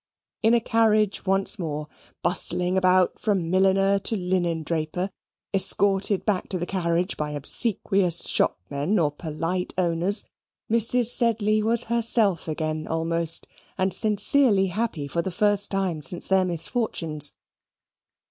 In a carriage once more, bustling about from milliner to linen draper, escorted back to the carriage by obsequious shopmen or polite owners, Mrs. Sedley was herself again almost, and sincerely happy for the first time since their misfortunes.